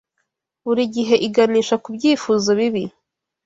buri gihe iganisha ku byifuzo bibi